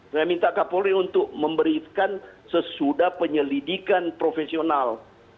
saya minta kapolri untuk memberikan sesudah penyelidikan profesional